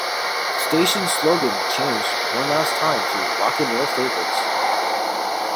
The station's slogan changed one last time to "Rock 'N Roll Favorites".